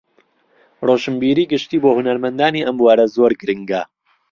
ڕۆشنبیریی گشتی بۆ هونەرمەندانی ئەم بوارە زۆر گرنگە